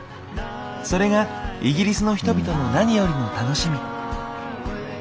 それがイギリスの人々の何よりの楽しみ。